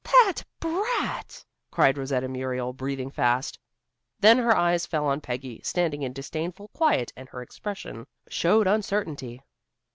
"That brat!" cried Rosetta Muriel breathing fast. Then her eyes fell on Peggy, standing in disdainful quiet, and her expression showed uncertainty.